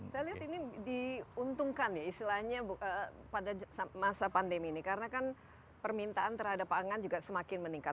saya lihat ini diuntungkan ya istilahnya pada masa pandemi ini karena kan permintaan terhadap pangan juga semakin meningkat